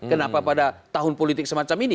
kenapa pada tahun politik semacam ini